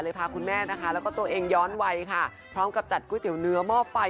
พาคุณแม่นะคะแล้วก็ตัวเองย้อนวัยค่ะพร้อมกับจัดก๋วยเตี๋ยวเนื้อหม้อไฟ